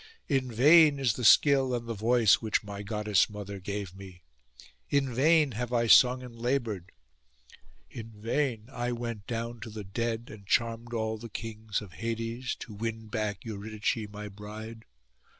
In vain is the skill and the voice which my goddess mother gave me; in vain have I sung and laboured; in vain I went down to the dead, and charmed all the kings of Hades, to win back Eurydice my bride.